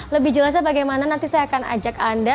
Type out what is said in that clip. lebih jelasnya bagaimana nanti saya akan ajak anda